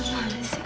bromun dan asik